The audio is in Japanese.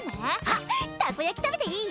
あたこ焼きたべていい？